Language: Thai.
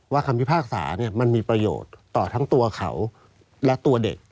คำพิพากษามันมีประโยชน์ต่อทั้งตัวเขาและตัวเด็ก